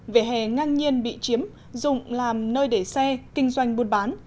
vỉa hè ngang nhiên bị chiếm dụng làm nơi để xe kinh doanh buôn bán